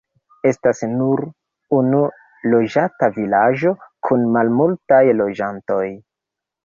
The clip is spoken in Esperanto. Estas nur unu loĝata vilaĝo kun malmultaj loĝantoj.